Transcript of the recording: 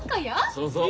そうそう。